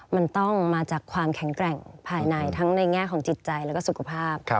มันต้องมาจากความแข็งแกร่งภายในทั้งในแง่ของจิตใจแล้วก็สุขภาพ